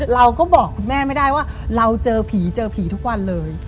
เราก็บอกคุณแม่ไม่ได้ว่าเราเจอผีเจอผีทุกวันเลย